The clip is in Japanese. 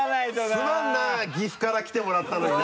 すまんな岐阜から来てもらったのにな。